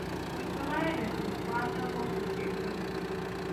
پر سبا يې د کلي خوا ته وخوځېدم.